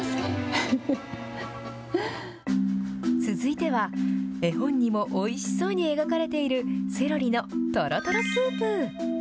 続いては、絵本にもおいしそうに描かれている、セロリのとろとろスープ。